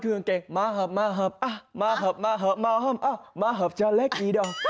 เพิ่มอะไรอย่างพอเอาแค่นี้พอคลิปลุกคลิปลุก